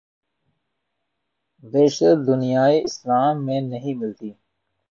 بیشتر دنیائے اسلام میں نہیں ملتی۔